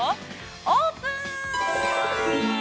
オープン！